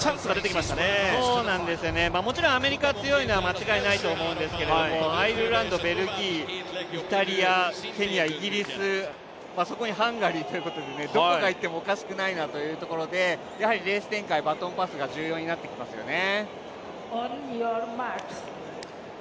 もちろんアメリカが強いのは当たり前だと思うんですけれどもアイルランド、ベルギー、イタリア、ケニア、イギリス、そこにハンガリーということで、どこがいってもおかしくないなというところでやはりレース展開、バトンパスが重要になってきますよね。